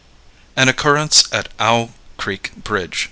An Occurrence at Owl Creek Bridge.